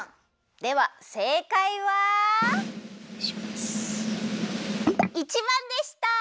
ではせいかいは１ばんでした！